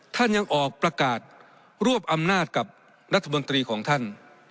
ท่านยังออกประกาศรวบอำนาจกับรัฐมนตรีของท่าน